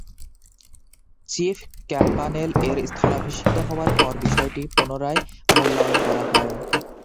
Chief ক্যাম্পানেল এর স্থলাভিষিক্ত হওয়ার পর বিষয়টি পুনরায় মূল্যায়ন করা হয়।